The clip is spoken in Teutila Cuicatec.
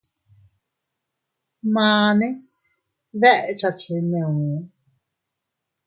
Mane dekcha cheneo.